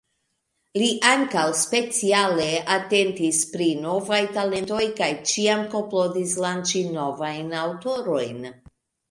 Li ankaŭ speciale atentis pri novaj talentoj kaj ĉiam klopodis lanĉi novajn aŭtorojn.